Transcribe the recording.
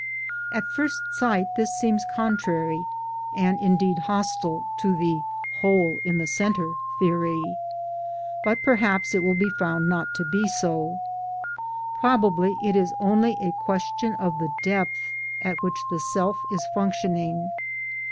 At first sight this seems contrary, and indeed hostile, to the hole in the centre theory ; but probably it will 1 be found not to be so. Probably it is only a question of the depth at which the Self is function ing.